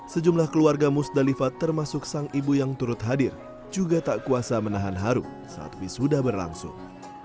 sejumlah keluarga musdalifat termasuk sang ibu yang turut hadir juga tak kuasa menahan haru saat wisuda berlangsung